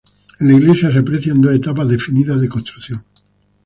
En la Iglesia se aprecian dos etapas definidas de construcción.